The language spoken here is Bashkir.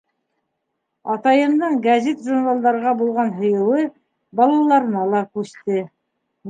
Атайымдың гәзит-журналдарға булған һөйөүе балаларына ла күсте.